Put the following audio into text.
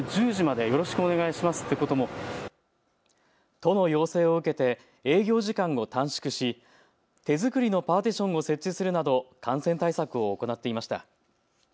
都の要請を受けて営業時間を短縮し手作りのパーティションを設置するなど感染対策を行っていました。